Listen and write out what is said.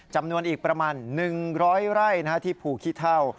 จำนวนอีกประมาณ๑๐๐ไร่ที่ภูขี้เท่า